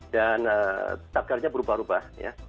dan tagarnya berubah ubah